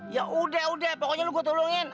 yaudah udah pokoknya lo gue tolongin